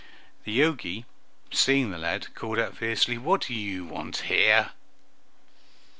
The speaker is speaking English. The Jogi, seeing the lad, called out fiercely, "What do you want here?"